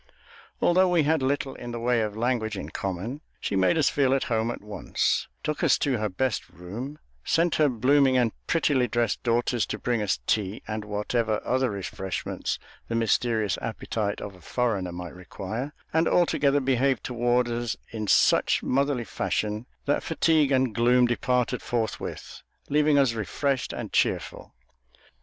Although we had little in the way of language in common, she made us feel at home at once, took us to her best room, sent her blooming and prettily dressed daughters to bring us tea and whatever other refreshments the mysterious appetite of a foreigner might require, and altogether behaved toward us in such motherly fashion that fatigue and gloom departed forthwith, leaving us refreshed and cheerful.